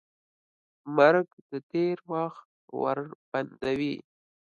مرګ د تېر وخت ور بندوي.